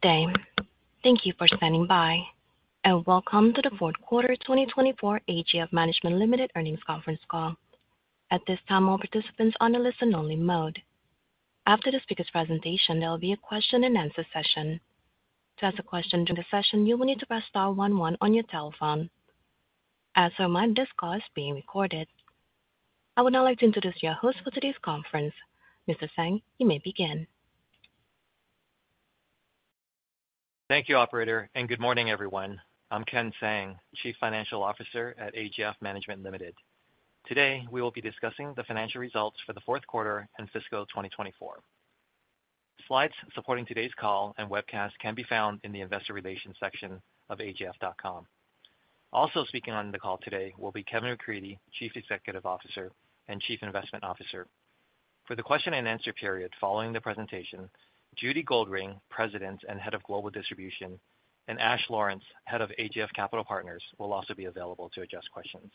Good day. Thank you for standing by, and welcome to the Fourth Quarter 2024 AGF Management Limited Earnings Conference Call. At this time, all participants are on a listen-only mode. After the speaker's presentation, there will be a question-and-answer session. To ask a question during the session, you will need to press star one one on your telephone. As a reminder, this call is being recorded. I would now like to introduce your host for today's conference. Mr. Tsang, you may begin. Thank you, Operator, and good morning, everyone. I'm Ken Tsang, Chief Financial Officer at AGF Management Limited. Today, we will be discussing the financial results for the fourth quarter and fiscal 2024. Slides supporting today's call and webcast can be found in the investor relations section of agf.com. Also speaking on the call today will be Kevin McCreadie, Chief Executive Officer and Chief Investment Officer. For the question-and-answer period following the presentation, Judy Goldring, President and Head of Global Distribution, and Ash Lawrence, Head of AGF Capital Partners, will also be available to address questions.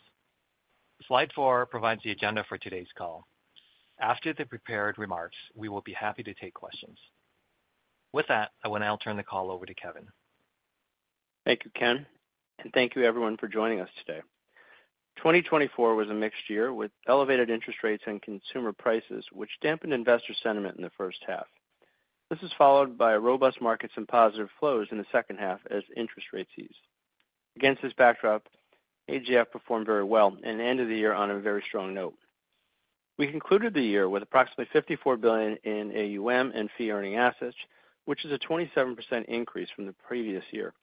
Slide four provides the agenda for today's call. After the prepared remarks, we will be happy to take questions. With that, I will now turn the call over to Kevin. Thank you, Ken, and thank you, everyone, for joining us today. 2024 was a mixed year with elevated interest rates and consumer prices, which dampened investor sentiment in the first half. This is followed by robust markets and positive flows in the second half as interest rates ease. Against this backdrop, AGF performed very well and ended the year on a very strong note. We concluded the year with approximately 54 billion in AUM and fee-earning assets, which is a 27% increase from the previous year.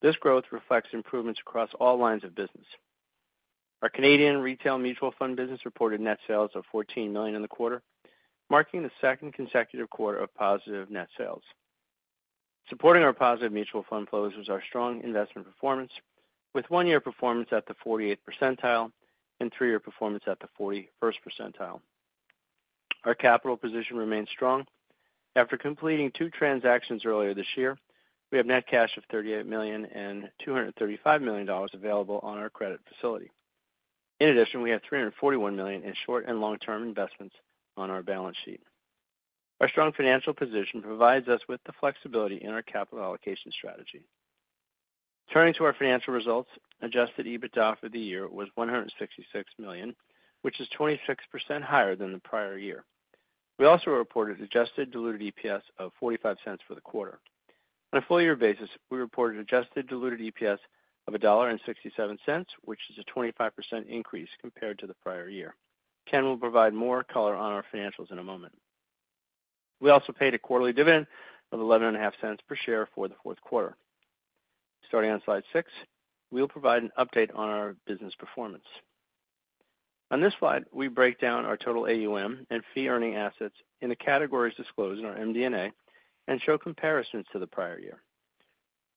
This growth reflects improvements across all lines of business. Our Canadian retail mutual fund business reported net sales of 14 million in the quarter, marking the second consecutive quarter of positive net sales. Supporting our positive mutual fund flows was our strong investment performance, with one-year performance at the 48th percentile and three-year performance at the 41st percentile. Our capital position remains strong. After completing two transactions earlier this year, we have net cash of 38 million and 235 million dollars available on our credit facility. In addition, we have 341 million in short and long-term investments on our balance sheet. Our strong financial position provides us with the flexibility in our capital allocation strategy. Turning to our financial results, adjusted EBITDA for the year was 166 million, which is 26% higher than the prior year. We also reported adjusted diluted EPS of 0.45 for the quarter. On a full-year basis, we reported adjusted diluted EPS of 1.67 dollar, which is a 25% increase compared to the prior year. Ken will provide more color on our financials in a moment. We also paid a quarterly dividend of 11.50 per share for the fourth quarter. Starting on slide six, we'll provide an update on our business performance. On this slide, we break down our total AUM and fee-earning assets in the categories disclosed in our MD&A and show comparisons to the prior year.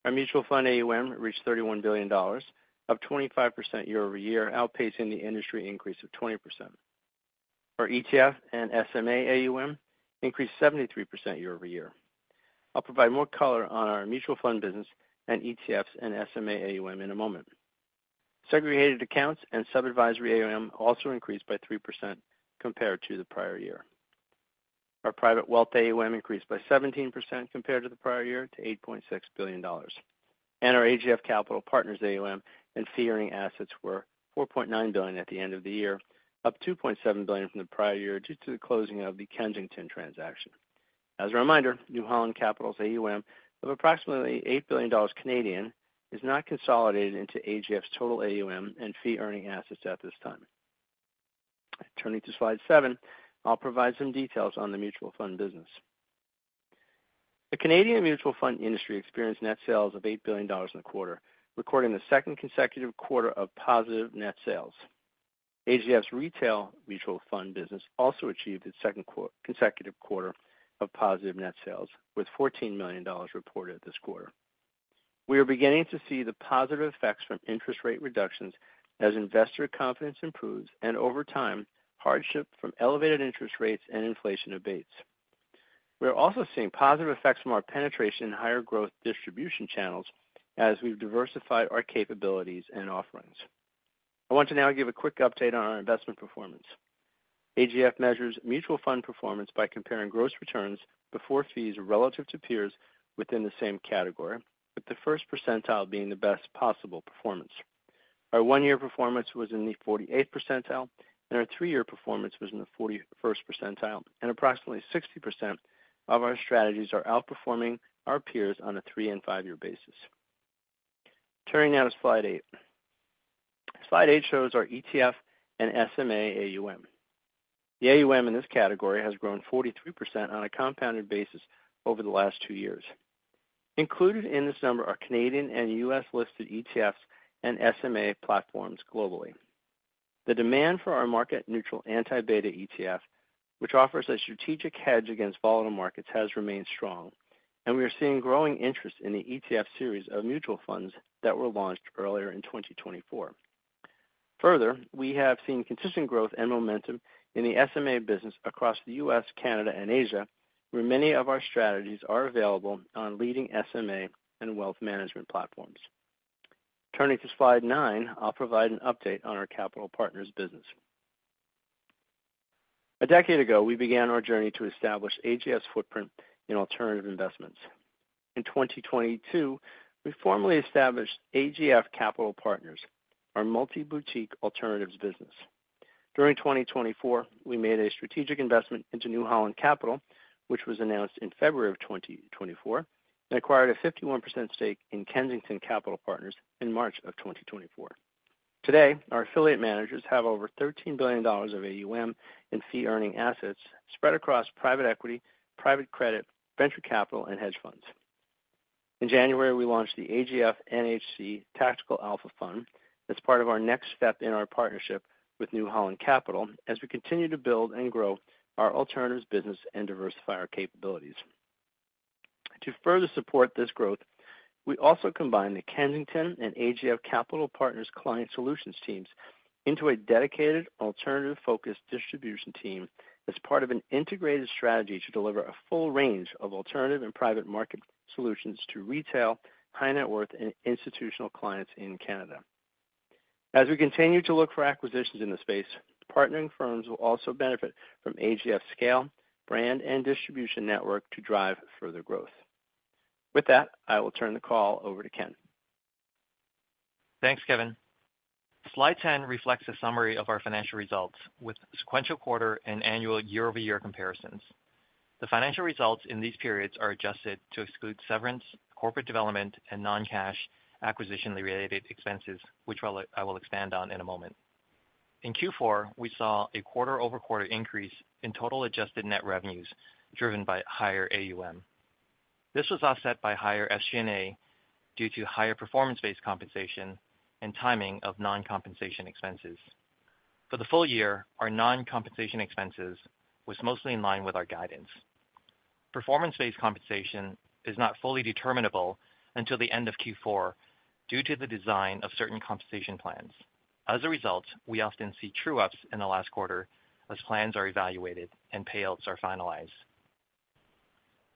Our mutual fund AUM reached $31 billion, up 25% year-over-year, outpacing the industry increase of 20%. Our ETF and SMA AUM increased 73% year-over-year. I'll provide more color on our mutual fund business and ETFs and SMA AUM in a moment. Segregated accounts and sub-advisory AUM also increased by 3% compared to the prior year. Our Private Wealth AUM increased by 17% compared to the prior year to $8.6 billion. And our AGF Capital Partners AUM and fee-earning assets were $4.9 billion at the end of the year, up $2.7 billion from the prior year due to the closing of the Kensington transaction. As a reminder, New Holland Capital's AUM of approximately 8 billion Canadian dollars is not consolidated into AGF's total AUM and fee-earning assets at this time. Turning to slide seven, I'll provide some details on the mutual fund business. The Canadian mutual fund industry experienced net sales of 8 billion dollars in the quarter, recording the second consecutive quarter of positive net sales. AGF's retail mutual fund business also achieved its second consecutive quarter of positive net sales, with 14 million dollars reported this quarter. We are beginning to see the positive effects from interest rate reductions as investor confidence improves and, over time, hardship from elevated interest rates and inflation abates. We are also seeing positive effects from our penetration in higher growth distribution channels as we've diversified our capabilities and offerings. I want to now give a quick update on our investment performance. AGF measures mutual fund performance by comparing gross returns before fees relative to peers within the same category, with the first percentile being the best possible performance. Our one-year performance was in the 48th percentile, and our three-year performance was in the 41st percentile, and approximately 60% of our strategies are outperforming our peers on a three- and five-year basis. Turning now to slide eight. Slide eight shows our ETF and SMA AUM. The AUM in this category has grown 43% on a compounded basis over the last two years. Included in this number are Canadian and U.S.-listed ETFs and SMA platforms globally. The demand for our market-neutral anti-beta ETF, which offers a strategic hedge against volatile markets, has remained strong, and we are seeing growing interest in the ETF Series of mutual funds that were launched earlier in 2024. Further, we have seen consistent growth and momentum in the SMA business across the U.S., Canada, and Asia, where many of our strategies are available on leading SMA and wealth management platforms. Turning to slide nine, I'll provide an update on our Capital Partners business. A decade ago, we began our journey to establish AGF's footprint in alternative investments. In 2022, we formally established AGF Capital Partners, our multi-boutique alternatives business. During 2024, we made a strategic investment into New Holland Capital, which was announced in February of 2024, and acquired a 51% stake in Kensington Capital Partners in March of 2024. Today, our affiliate managers have over 13 billion dollars of AUM and fee-earning assets spread across private equity, private credit, venture capital, and hedge funds. In January, we launched the AGF NHC Tactical Alpha Fund as part of our next step in our partnership with New Holland Capital as we continue to build and grow our alternatives business and diversify our capabilities. To further support this growth, we also combined the Kensington and AGF Capital Partners client solutions teams into a dedicated alternative-focused distribution team as part of an integrated strategy to deliver a full range of alternative and private market solutions to retail, high-net-worth, and institutional clients in Canada. As we continue to look for acquisitions in the space, partnering firms will also benefit from AGF's scale, brand, and distribution network to drive further growth. With that, I will turn the call over to Ken. Thanks, Kevin. Slide 10 reflects a summary of our financial results with sequential quarter and annual year-over-year comparisons. The financial results in these periods are adjusted to exclude severance, corporate development, and non-cash acquisition-related expenses, which I will expand on in a moment. In Q4, we saw a quarter-over-quarter increase in total adjusted net revenues driven by higher AUM. This was offset by higher SG&A due to higher performance-based compensation and timing of non-compensation expenses. For the full year, our non-compensation expenses were mostly in line with our guidance. Performance-based compensation is not fully determinable until the end of Q4 due to the design of certain compensation plans. As a result, we often see true-ups in the last quarter as plans are evaluated and payouts are finalized.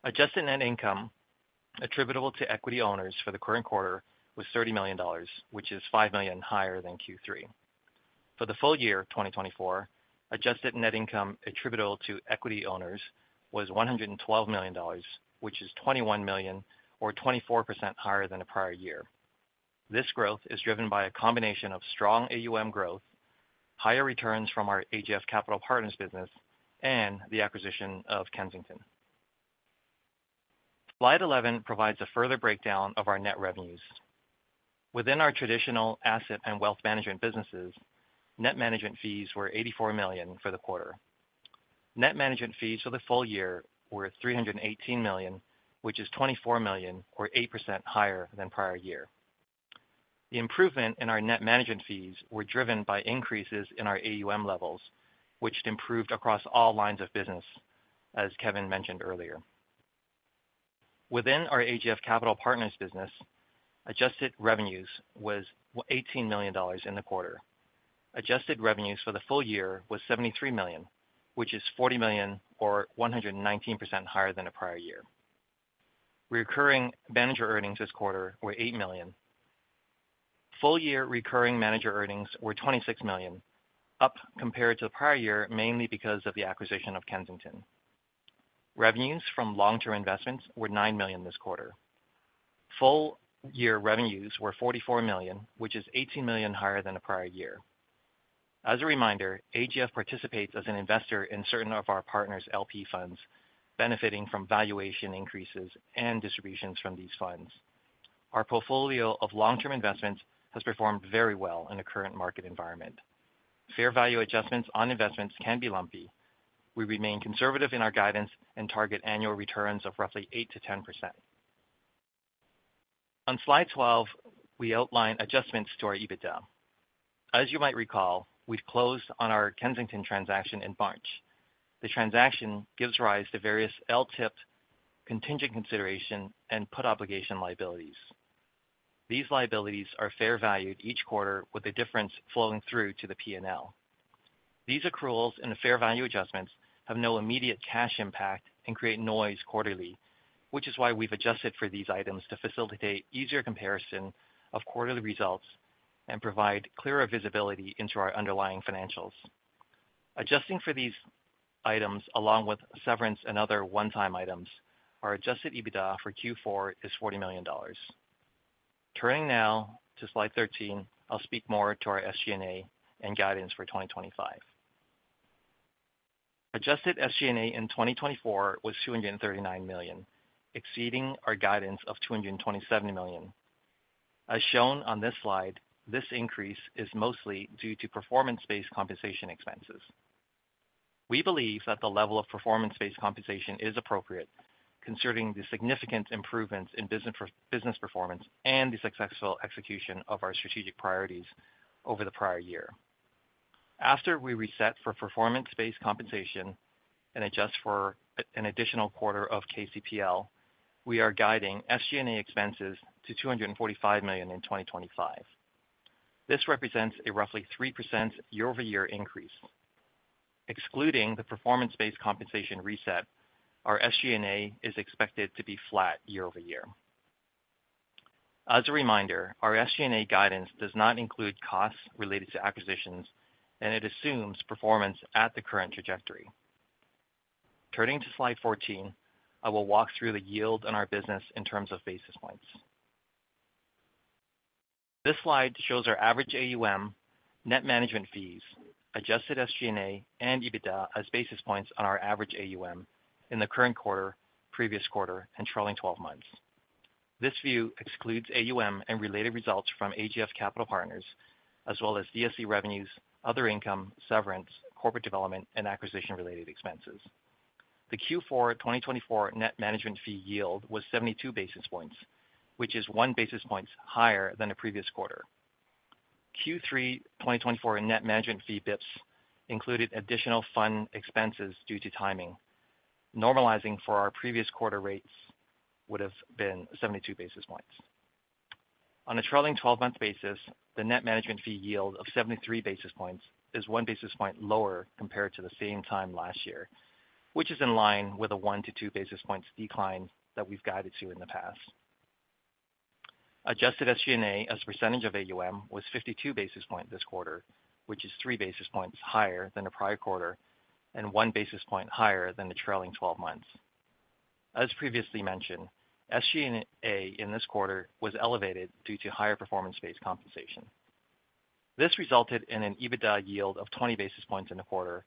Adjusted net income attributable to equity owners for the current quarter was 30 million dollars, which is 5 million higher than Q3. For the full year, 2024, adjusted net income attributable to equity owners was 112 million dollars, which is 21 million, or 24% higher than the prior year. This growth is driven by a combination of strong AUM growth, higher returns from our AGF Capital Partners business, and the acquisition of Kensington. Slide 11 provides a further breakdown of our net revenues. Within our traditional asset and wealth management businesses, net management fees were 84 million for the quarter. Net management fees for the full year were 318 million, which is 24 million, or 8% higher than prior year. The improvement in our net management fees was driven by increases in our AUM levels, which improved across all lines of business, as Kevin mentioned earlier. Within our AGF Capital Partners business, adjusted revenues were 18 million dollars in the quarter. Adjusted revenues for the full year were 73 million, which is 40 million, or 119% higher than the prior year. Recurring manager earnings this quarter were 8 million. Full-year recurring manager earnings were 26 million, up compared to the prior year mainly because of the acquisition of Kensington. Revenues from long-term investments were 9 million this quarter. Full-year revenues were 44 million, which is 18 million higher than the prior year. As a reminder, AGF participates as an investor in certain of our partners' LP funds, benefiting from valuation increases and distributions from these funds. Our portfolio of long-term investments has performed very well in the current market environment. Fair value adjustments on investments can be lumpy. We remain conservative in our guidance and target annual returns of roughly 8%-10%. On slide 12, we outline adjustments to our EBITDA. As you might recall, we closed on our Kensington transaction in March. The transaction gives rise to various LTIP, contingent consideration, and put obligation liabilities. These liabilities are fair valued each quarter, with the difference flowing through to the P&L. These accruals and fair value adjustments have no immediate cash impact and create noise quarterly, which is why we've adjusted for these items to facilitate easier comparison of quarterly results and provide clearer visibility into our underlying financials. Adjusting for these items, along with severance and other one-time items, our adjusted EBITDA for Q4 is 40 million dollars. Turning now to slide 13, I'll speak more to our SG&A and guidance for 2025. Adjusted SG&A in 2024 was 239 million, exceeding our guidance of 227 million. As shown on this slide, this increase is mostly due to performance-based compensation expenses. We believe that the level of performance-based compensation is appropriate, considering the significant improvements in business performance and the successful execution of our strategic priorities over the prior year. After we reset for performance-based compensation and adjust for an additional quarter of KCPL, we are guiding SG&A expenses to 245 million in 2025. This represents a roughly 3% year-over-year increase. Excluding the performance-based compensation reset, our SG&A is expected to be flat year-over-year. As a reminder, our SG&A guidance does not include costs related to acquisitions, and it assumes performance at the current trajectory. Turning to slide 14, I will walk through the yield on our business in terms of basis points. This slide shows our average AUM, net management fees, adjusted SG&A, and EBITDA as basis points on our average AUM in the current quarter, previous quarter, and trailing 12 months. This view excludes AUM and related results from AGF Capital Partners, as well as DSC revenues, other income, severance, corporate development, and acquisition-related expenses. The Q4 2024 net management fee yield was 72 basis points, which is one basis point higher than the previous quarter. Q3 2024 net management fee basis points included additional fund expenses due to timing. Normalizing for our previous quarter rates would have been 72 basis points. On a trailing 12-month basis, the net management fee yield of 73 basis points is one basis point lower compared to the same time last year, which is in line with a one to two basis points decline that we've guided to in the past. Adjusted SG&A as a percentage of AUM was 52 basis points this quarter, which is three basis points higher than the prior quarter and one basis point higher than the trailing 12 months. As previously mentioned, SG&A in this quarter was elevated due to higher performance-based compensation. This resulted in an EBITDA yield of 20 basis points in the quarter,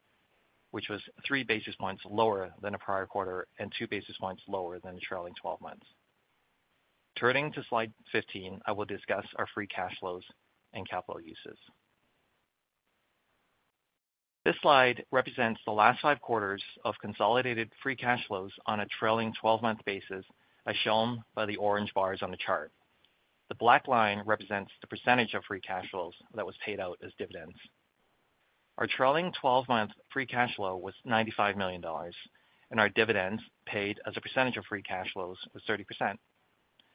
which was three basis points lower than the prior quarter and two basis points lower than the trailing 12 months. Turning to slide 15, I will discuss our free cash flows and capital uses. This slide represents the last five quarters of consolidated free cash flows on a trailing 12-month basis as shown by the orange bars on the chart. The black line represents the percentage of free cash flows that was paid out as dividends. Our trailing 12-month free cash flow was 95 million dollars, and our dividends paid as a percentage of free cash flows was 30%.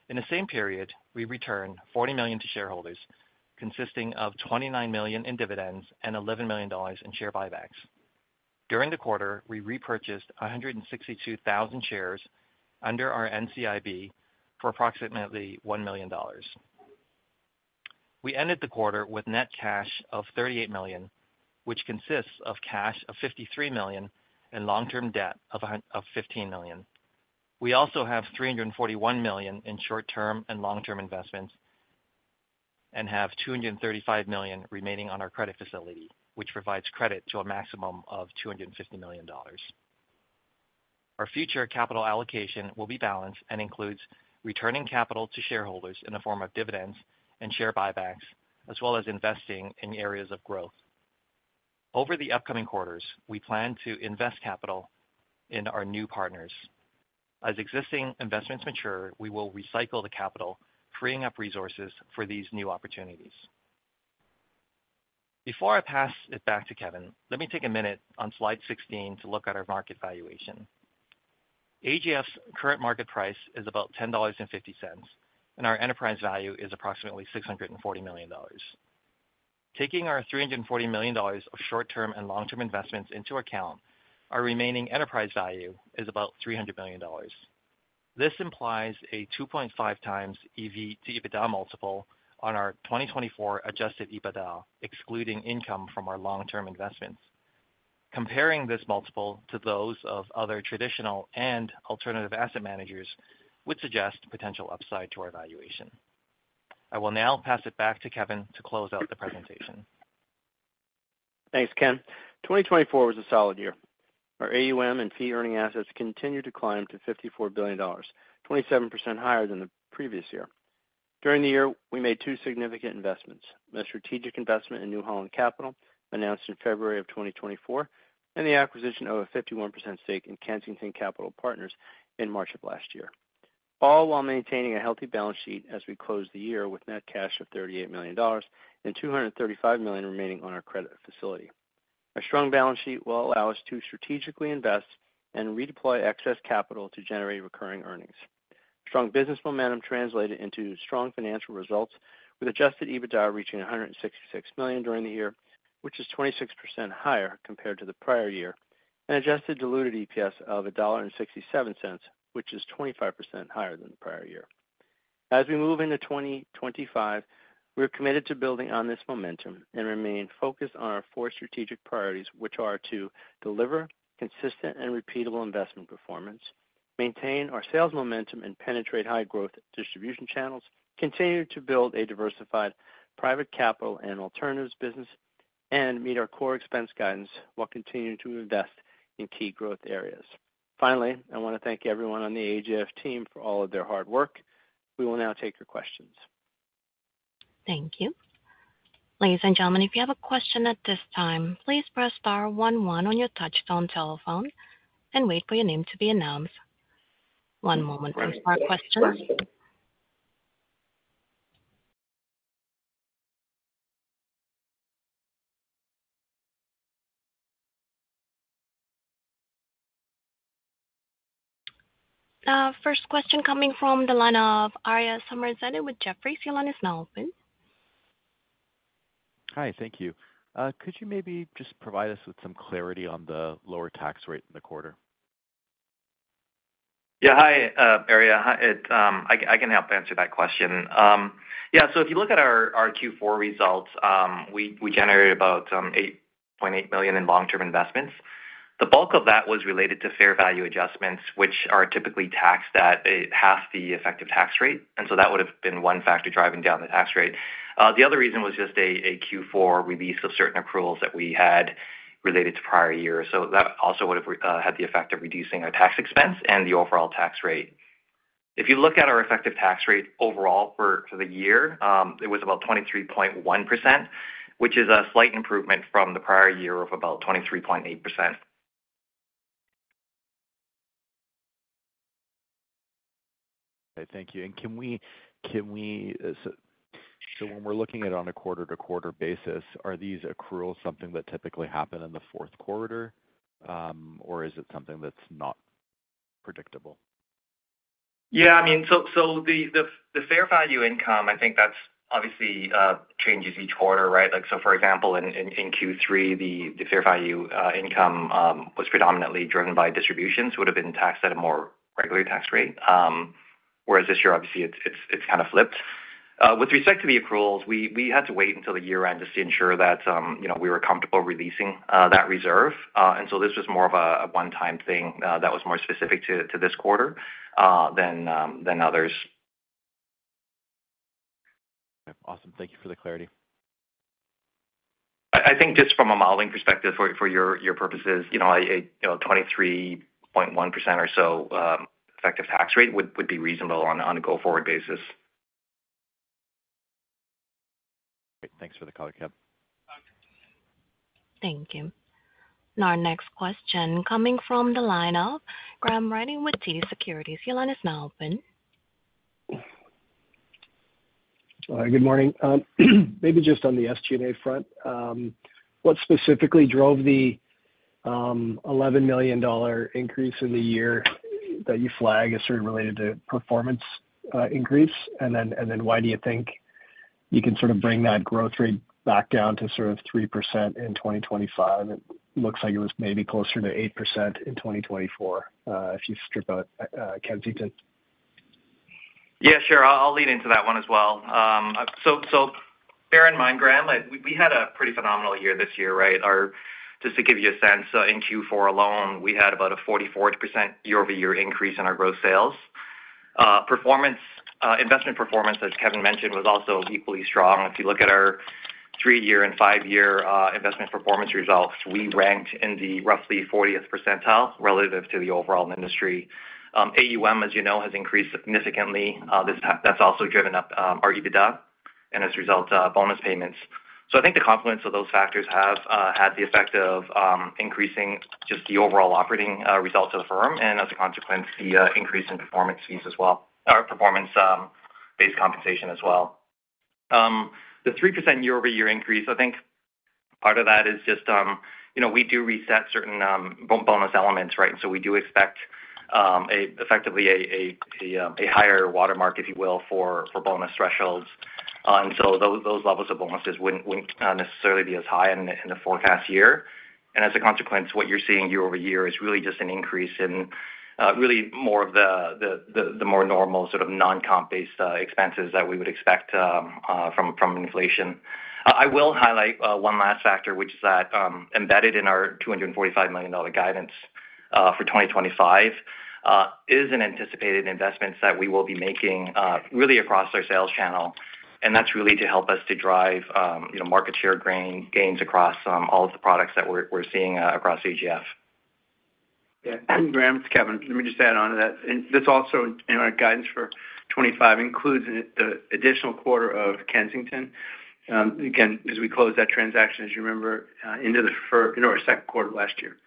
In the same period, we returned 40 million to shareholders, consisting of 29 million in dividends and 11 million dollars in share buybacks. During the quarter, we repurchased 162,000 shares under our NCIB for approximately 1 million dollars. We ended the quarter with net cash of 38 million, which consists of cash of 53 million and long-term debt of 15 million. We also have 341 million in short-term and long-term investments and have 235 million remaining on our credit facility, which provides credit to a maximum of 250 million dollars. Our future capital allocation will be balanced and includes returning capital to shareholders in the form of dividends and share buybacks, as well as investing in areas of growth. Over the upcoming quarters, we plan to invest capital in our new partners. As existing investments mature, we will recycle the capital, freeing up resources for these new opportunities. Before I pass it back to Kevin, let me take a minute on slide 16 to look at our market valuation. AGF's current market price is about 10.50 dollars, and our enterprise value is approximately 640 million dollars. Taking our 340 million dollars of short-term and long-term investments into account, our remaining enterprise value is about 300 million dollars. This implies a 2.5 times EV to EBITDA multiple on our 2024 adjusted EBITDA, excluding income from our long-term investments. Comparing this multiple to those of other traditional and alternative asset managers would suggest potential upside to our valuation. I will now pass it back to Kevin to close out the presentation. Thanks, Ken. 2024 was a solid year. Our AUM and fee-earning assets continued to climb to 54 billion dollars, 27% higher than the previous year. During the year, we made two significant investments: a strategic investment in New Holland Capital, announced in February of 2024, and the acquisition of a 51% stake in Kensington Capital Partners in March of last year, all while maintaining a healthy balance sheet as we closed the year with net cash of 38 million dollars and 235 million remaining on our credit facility. Our strong balance sheet will allow us to strategically invest and redeploy excess capital to generate recurring earnings. Strong business momentum translated into strong financial results, with adjusted EBITDA reaching 166 million during the year, which is 26% higher compared to the prior year, and adjusted diluted EPS of 1.67 dollar, which is 25% higher than the prior year. As we move into 2025, we are committed to building on this momentum and remain focused on our four strategic priorities, which are to deliver consistent and repeatable investment performance, maintain our sales momentum, and penetrate high-growth distribution channels, continue to build a diversified private capital and alternatives business, and meet our core expense guidance while continuing to invest in key growth areas. Finally, I want to thank everyone on the AGF team for all of their hard work. We will now take your questions. Thank you. Ladies and gentlemen, if you have a question at this time, please press star one one on your touch-tone telephone and wait for your name to be announced. One moment, please, for our questions. First question coming from the line of Ari Zamir with Jefferies. Your line is now open. Hi, thank you. Could you maybe just provide us with some clarity on the lower tax rate in the quarter? Yeah, hi, Ari. I can help answer that question. Yeah, so if you look at our Q4 results, we generated about 8.8 million in long-term investments. The bulk of that was related to fair value adjustments, which are typically taxed at half the effective tax rate. And so that would have been one factor driving down the tax rate. The other reason was just a Q4 release of certain accruals that we had related to prior years. So that also would have had the effect of reducing our tax expense and the overall tax rate. If you look at our effective tax rate overall for the year, it was about 23.1%, which is a slight improvement from the prior year of about 23.8%. Thank you. So when we're looking at it on a quarter-to-quarter basis, are these accruals something that typically happen in the fourth quarter, or is it something that's not predictable? Yeah, I mean, so the fair value income, I think that obviously changes each quarter, right? So for example, in Q3, the fair value income was predominantly driven by distributions, would have been taxed at a more regular tax rate. Whereas this year, obviously, it's kind of flipped. With respect to the accruals, we had to wait until the year-end just to ensure that we were comfortable releasing that reserve, and so this was more of a one-time thing that was more specific to this quarter than others. Awesome. Thank you for the clarity. I think just from a modeling perspective for your purposes, a 23.1% or so effective tax rate would be reasonable on a go-forward basis. Thanks for the call, Kevin. Thank you. Now, our next question coming from the line of Graham Ryding with TD Securities. Your line is now open. Good morning. Maybe just on the SG&A front, what specifically drove the 11 million dollar increase in the year that you flag as sort of related to performance increase? And then why do you think you can sort of bring that growth rate back down to sort of 3% in 2025? It looks like it was maybe closer to 8% in 2024 if you strip out Kensington. Yeah, sure. I'll lead into that one as well. So bear in mind, Graham, we had a pretty phenomenal year this year, right? Just to give you a sense, in Q4 alone, we had about a 44% year-over-year increase in our gross sales. Investment performance, as Kevin mentioned, was also equally strong. If you look at our three-year and five-year investment performance results, we ranked in the roughly 40th percentile relative to the overall industry. AUM, as you know, has increased significantly. That's also driven up our EBITDA and, as a result, bonus payments. So I think the confluence of those factors has had the effect of increasing just the overall operating results of the firm and, as a consequence, the increase in performance fees as well or performance-based compensation as well. The 3% year-over-year increase, I think part of that is just we do reset certain bonus elements, right? And so we do expect effectively a higher watermark, if you will, for bonus thresholds. And so those levels of bonuses wouldn't necessarily be as high in the forecast year. And as a consequence, what you're seeing year-over-year is really just an increase in really more of the more normal sort of non-comp-based expenses that we would expect from inflation. I will highlight one last factor, which is that embedded in our 245 million dollar guidance for 2025 is an anticipated investment that we will be making really across our sales channel. And that's really to help us to drive market share gains across all of the products that we're seeing across AGF. Yeah. Graham, it's Kevin, let me just add on to that. This also in our guidance for 2025 includes the additional quarter of Kensington, again, as we close that transaction, as you remember, into our second quarter of last year.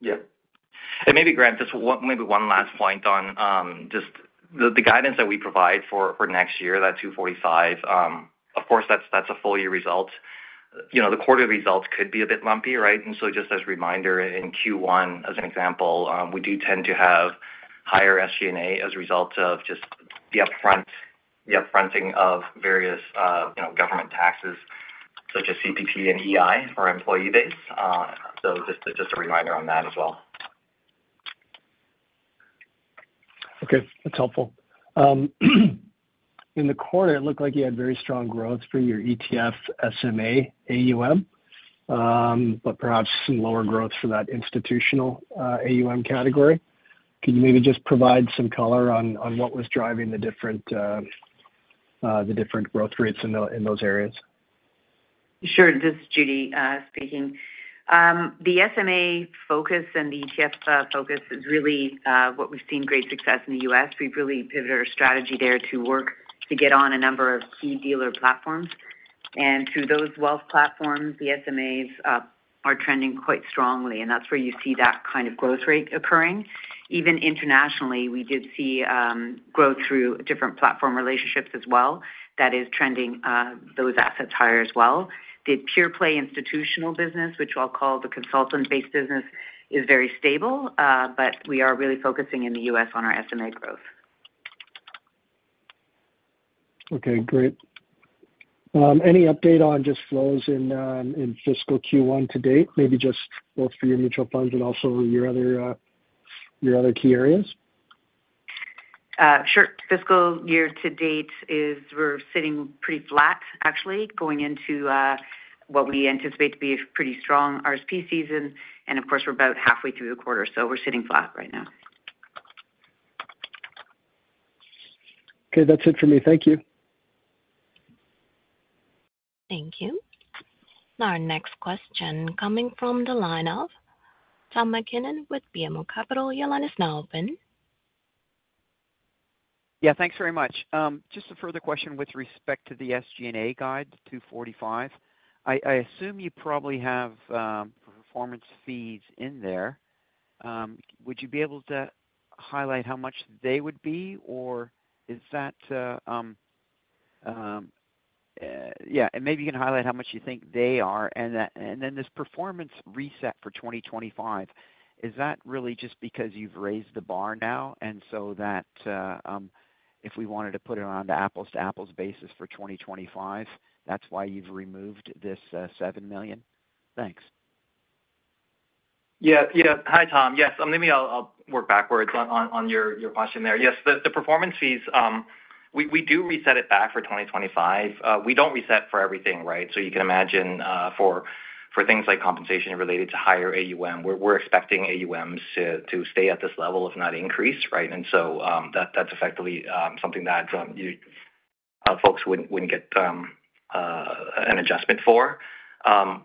Yeah. And maybe, Graham, just maybe one last point on just the guidance that we provide for next year, that 245, of course, that's a full-year result. The quarterly results could be a bit lumpy, right? And so just as a reminder, in Q1, as an example, we do tend to have higher SG&A as a result of just the upfronting of various government taxes such as CPP and EI for employee base. So just a reminder on that as well. Okay. That's helpful. In the quarter, it looked like you had very strong growth for your ETF SMA AUM, but perhaps some lower growth for that institutional AUM category. Can you maybe just provide some color on what was driving the different growth rates in those areas? Sure. This is Judy speaking. The SMA focus and the ETF focus is really what we've seen great success in the U.S. We've really pivoted our strategy there to work to get on a number of key dealer platforms. And through those wealth platforms, the SMAs are trending quite strongly. And that's where you see that kind of growth rate occurring. Even internationally, we did see growth through different platform relationships as well that is trending those assets higher as well. The pure-play institutional business, which I'll call the consultant-based business, is very stable, but we are really focusing in the U.S. on our SMA growth. Okay. Great. Any update on just flows in fiscal Q1 to date, maybe just both for your mutual funds and also your other key areas? Sure. Fiscal year to date, we're sitting pretty flat, actually, going into what we anticipate to be a pretty strong RSP season. And of course, we're about halfway through the quarter. So we're sitting flat right now. Okay. That's it for me. Thank you. Thank you. Now, our next question coming from the line of Tom MacKinnon with BMO Capital. Your line is now open. Yeah. Thanks very much. Just a further question with respect to the SG&A guide, 245. I assume you probably have performance fees in there. Would you be able to highlight how much they would be, or is that, yeah. And maybe you can highlight how much you think they are. And then this performance reset for 2025, is that really just because you've raised the bar now and so that if we wanted to put it on an apples-to-apples basis for 2025, that's why you've removed this 7 million? Thanks. Yeah. Yeah. Hi, Tom. Yes. Maybe I'll work backwards on your question there. Yes. The performance fees, we do reset it back for 2025. We don't reset for everything, right?, so you can imagine for things like compensation related to higher AUM, we're expecting AUMs to stay at this level, if not increase, right?, and so that's effectively something that folks wouldn't get an adjustment for.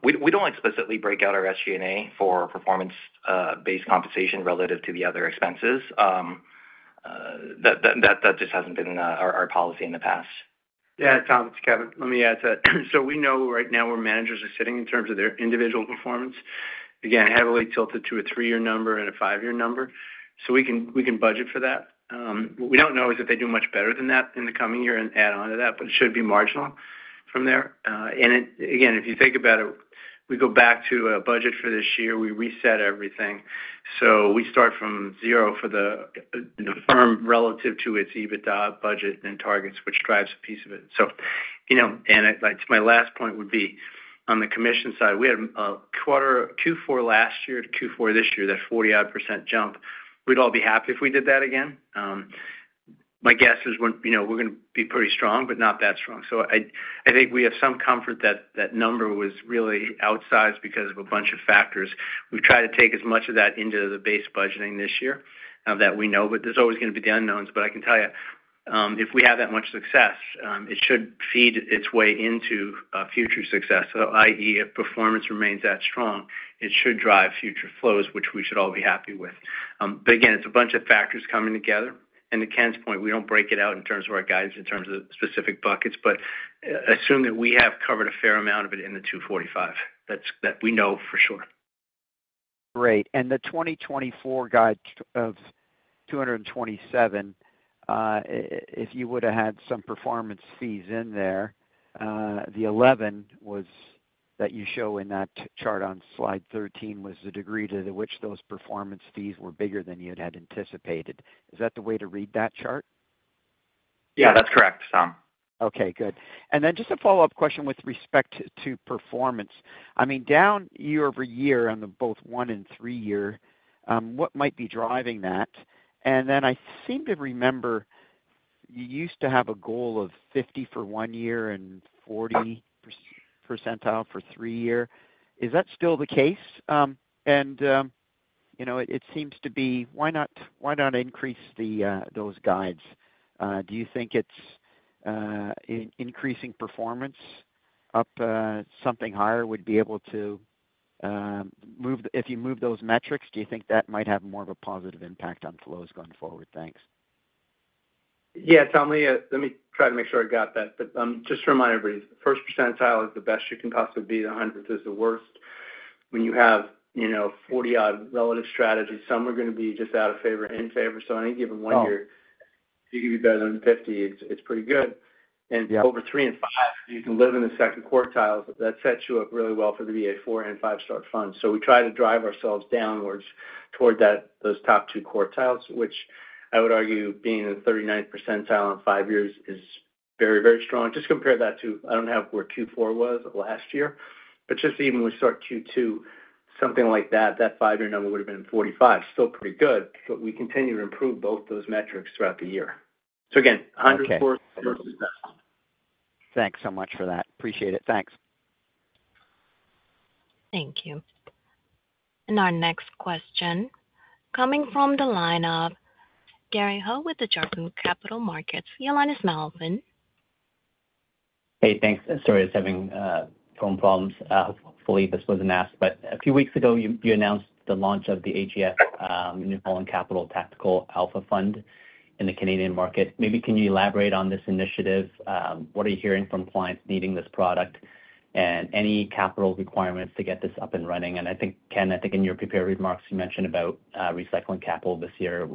We don't explicitly break out our SG&A for performance-based compensation relative to the other expenses. That just hasn't been our policy in the past. Yeah. Tom, it's Kevin. Let me add to that. So we know right now where managers are sitting in terms of their individual performance, again, heavily tilted to a three-year number and a five-year number. So we can budget for that. What we don't know is if they do much better than that in the coming year and add on to that, but it should be marginal from there. And again, if you think about it, we go back to a budget for this year. We reset everything. So we start from zero for the firm relative to its EBITDA budget and targets, which drives a piece of it. And my last point would be on the commission side. We had a quarter Q4 last year to Q4 this year, that 40-odd% jump. We'd all be happy if we did that again. My guess is we're going to be pretty strong, but not that strong. So I think we have some comfort that that number was really outsized because of a bunch of factors. We've tried to take as much of that into the base budgeting this year that we know, but there's always going to be the unknowns. But I can tell you, if we have that much success, it should feed its way into future success. So i.e., if performance remains that strong, it should drive future flows, which we should all be happy with. But again, it's a bunch of factors coming together. And to Ken's point, we don't break it out in terms of our guidance in terms of specific buckets, but assume that we have covered a fair amount of it in the 245 that we know for sure. Great. And the 2024 guide of 227, if you would have had some performance fees in there, the 11 that you show in that chart on slide 13 was the degree to which those performance fees were bigger than you had anticipated. Is that the way to read that chart? Yeah, that's correct, Tom. Okay. Good. And then just a follow-up question with respect to performance. I mean, down year-over-year on both one- and three-year, what might be driving that? And then I seem to remember you used to have a goal of 50 for one year and 40 percentile for three-year. Is that still the case? And it seems to be. Why not increase those guides? Do you think increasing performance up something higher would be able to move, if you move those metrics, do you think that might have more of a positive impact on flows going forward? Thanks. Yeah. Tom, let me try to make sure I got that, but just to remind everybody, the first percentile is the best you can possibly be. The hundredth is the worst. When you have 40-odd relative strategies, some are going to be just out of favor and in favor. So any given one year, if you can be better than 50, it's pretty good, and over three and five, you can live in the second quartiles. That sets you up really well for the four and five-star funds, so we try to drive ourselves downwards toward those top two quartiles, which I would argue being in the 39th percentile on five years is very, very strong. Just compare that to, I don't have where Q4 was last year, but just even when we start Q2, something like that, that five-year number would have been 45. Still pretty good, but we continue to improve both those metrics throughout the year. So again, 100th quartile versus that. Thanks so much for that. Appreciate it. Thanks. Thank you. And our next question coming from the line of Gary Ho with Desjardins Capital Markets. Your line is now open. Hey, thanks. Sorry, I was having phone problems. Hopefully, this wasn't asked. But a few weeks ago, you announced the launch of the AGF New Holland Capital Tactical Alpha Fund in the Canadian market. Maybe can you elaborate on this initiative? What are you hearing from clients needing this product and any capital requirements to get this up and running? And I think, Ken, I think in your prepared remarks, you mentioned about recycling capital this year.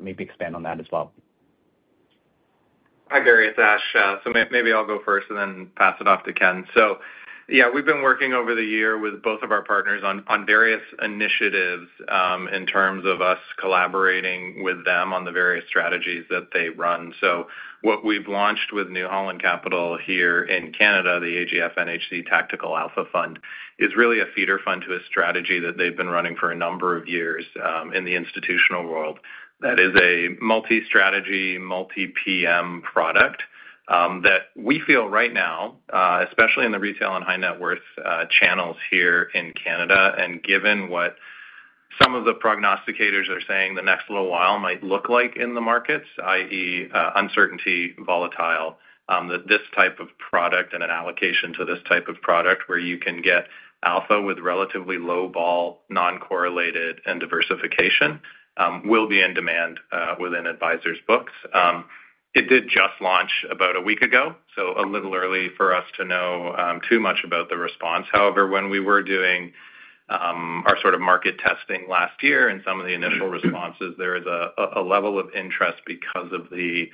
Maybe expand on that as well. Hi, Gary. With Ash. So maybe I'll go first and then pass it off to Ken. So yeah, we've been working over the year with both of our partners on various initiatives in terms of us collaborating with them on the various strategies that they run. So what we've launched with New Holland Capital here in Canada, the AGF NHC Tactical Alpha Fund, is really a feeder fund to a strategy that they've been running for a number of years in the institutional world. That is a multi-strategy, multi-PM product that we feel right now, especially in the retail and high-net-worth channels here in Canada. And given what some of the prognosticators are saying the next little while might look like in the markets, i.e., uncertainty, volatile, that this type of product and an allocation to this type of product where you can get alpha with relatively low beta, non-correlated, and diversification will be in demand within advisors' books. It did just launch about a week ago, so a little early for us to know too much about the response. However, when we were doing our sort of market testing last year and some of the initial responses, there is a level of interest because of the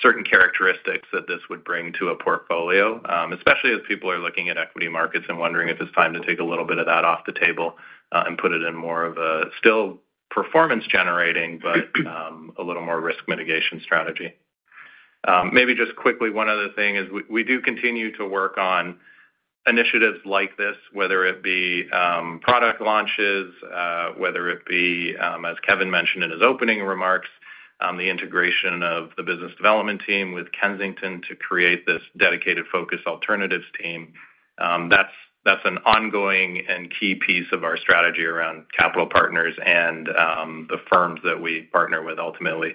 certain characteristics that this would bring to a portfolio, especially as people are looking at equity markets and wondering if it's time to take a little bit of that off the table and put it in more of a still performance-generating, but a little more risk mitigation strategy. Maybe just quickly, one other thing is we do continue to work on initiatives like this, whether it be product launches, whether it be, as Kevin mentioned in his opening remarks, the integration of the business development team with Kensington to create this dedicated focus alternatives team. That's an ongoing and key piece of our strategy around capital partners and the firms that we partner with ultimately.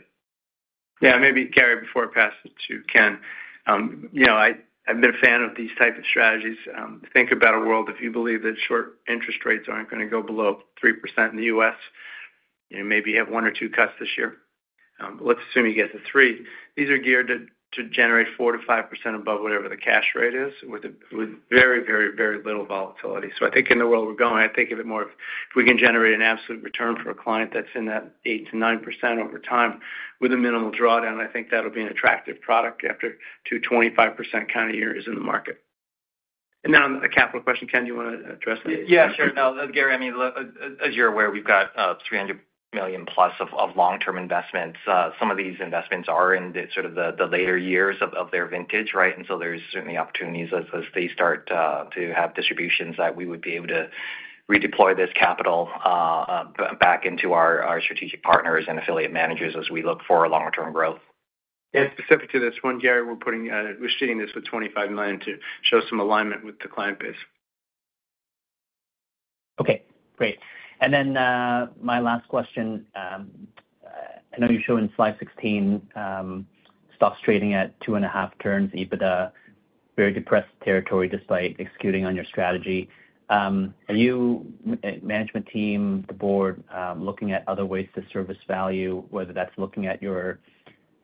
Yeah. Maybe, Gary, before I pass it to Ken, I've been a fan of these types of strategies. Think about a world if you believe that short-term interest rates aren't going to go below 3% in the U.S. Maybe you have one or two cuts this year. Let's assume you get to three. These are geared to generate 4-5% above whatever the cash rate is with very, very, very little volatility. So I think in the world we're going, I think of it more if we can generate an absolute return for a client that's in that 8-9% over time with a minimal drawdown, I think that'll be an attractive product after 25% kind of year is in the market. And then on the capital question, Ken, do you want to address that? Yeah. Sure. No, Gary, I mean, as you're aware, we've got 300 million plus of long-term investments. Some of these investments are in sort of the later years of their vintage, right? And so there's certainly opportunities as they start to have distributions that we would be able to redeploy this capital back into our strategic partners and affiliate managers as we look for longer-term growth. Specific to this one, Gary, we're seeing this with 25 million to show some alignment with the client base. Okay. Great. And then my last question. I know you show in slide 16, stocks trading at two and a half turns, EBITDA, very depressed territory despite executing on your strategy. Are you, management team, the board, looking at other ways to surface value, whether that's looking at your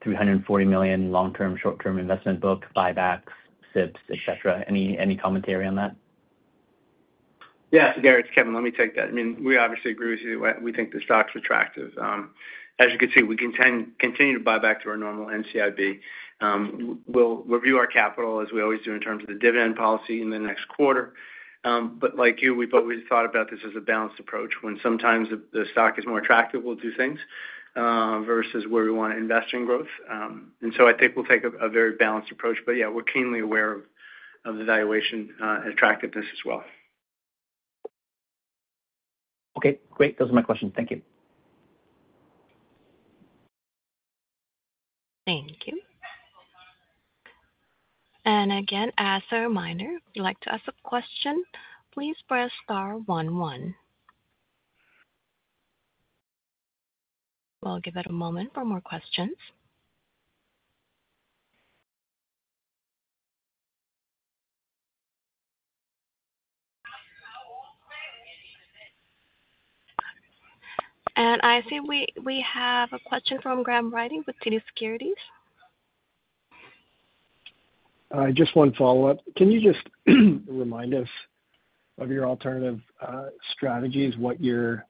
340 million long-term, short-term investment book, buybacks, SIBs, etc.? Any commentary on that? Yeah. So Gary, it's Kevin. Let me take that. I mean, we obviously agree with you. We think the stock's attractive. As you can see, we continue to buy back to our normal NCIB. We'll review our capital as we always do in terms of the dividend policy in the next quarter. But like you, we've always thought about this as a balanced approach. When sometimes the stock is more attractive, we'll do things versus where we want to invest in growth. And so I think we'll take a very balanced approach. But yeah, we're keenly aware of the valuation and attractiveness as well. Okay. Great. Those are my questions. Thank you. Thank you. And again, as a reminder, if you'd like to ask a question, please press star one one. We'll give it a moment for more questions. And I see we have a question from Graham Ryding with TD Securities. I just want to follow up. Can you just remind us of your alternative strategies, what you're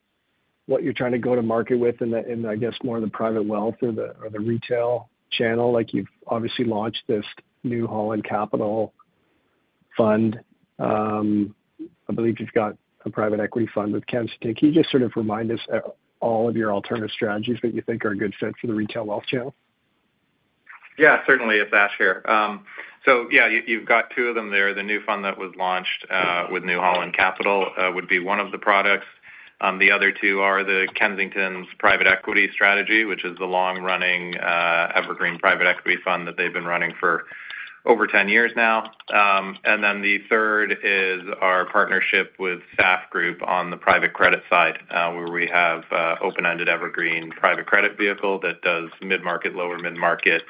trying to go to market with in, I guess, more of the Private Wealth or the retail channel? You've obviously launched this New Holland Capital Fund. I believe you've got a private equity fund with Kensington. Can you just sort of remind us of all of your alternative strategies that you think are a good fit for the retail wealth channel? Yeah. Certainly, it's Ash here. So yeah, you've got two of them there. The new fund that was launched with New Holland Capital would be one of the products. The other two are the Kensington's private equity strategy, which is the long-running evergreen private equity fund that they've been running for over 10 years now. And then the third is our partnership with SAF Group on the private credit side, where we have open-ended evergreen private credit vehicle that does mid-market, lower mid-market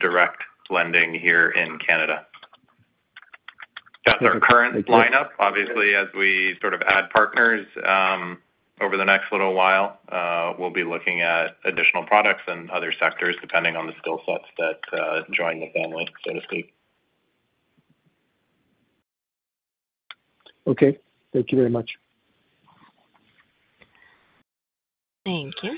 direct lending here in Canada. That's our current lineup. Obviously, as we sort of add partners over the next little while, we'll be looking at additional products and other sectors depending on the skill sets that join the family, so to speak. Okay. Thank you very much. Thank you.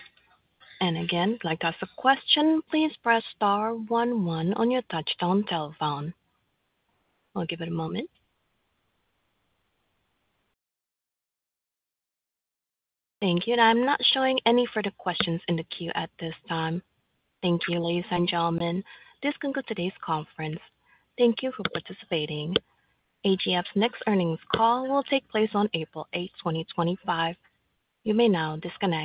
And again, if you'd like to ask a question, please press star 11 on your touch-tone telephone. I'll give it a moment. Thank you. And I'm not showing any further questions in the queue at this time. Thank you, ladies and gentlemen. This concludes today's conference. Thank you for participating. AGF's next earnings call will take place on April 8th, 2025. You may now disconnect.